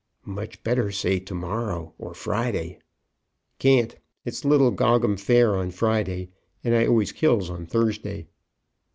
"Much better say to morrow, or Friday." "Can't. It's little Gogham Fair on Friday; and I always kills on Thursday."